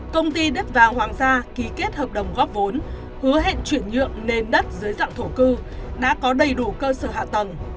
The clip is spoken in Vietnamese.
công ty đất vàng hoàng gia ký kết hợp đồng góp vốn hứa hẹn chuyển nhượng nền đất dưới dạng thổ cư đã có đầy đủ cơ sở hạ tầng